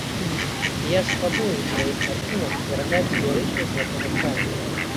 І я спрабую ў сваіх карцінах перадаць лірычнасць гэтага краю.